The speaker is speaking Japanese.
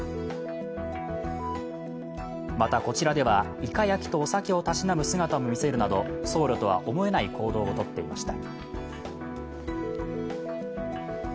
また、こちらではいか焼きとお酒をたしなむ姿を見せるなど、僧侶とは思えない行動をとっていました。